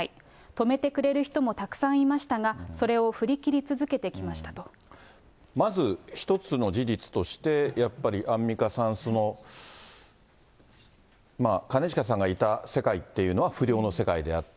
止めてくれる人もたくさんいましたが、まず、一つの事実として、やっぱり、アンミカさん、その兼近さんがいた世界っていうのは、不良の世界であった。